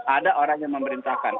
ada orang yang memerintahkan